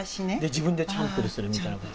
自分でチャンプルーするみたいな。